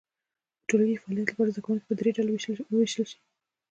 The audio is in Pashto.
په ټولګي کې فعالیت لپاره زده کوونکي په درې ډلو وویشل شي.